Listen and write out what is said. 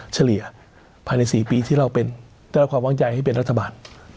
เฉลี่ยภายใน๔ปีที่เราได้รับความวางใจให้เป็นรัฐบาล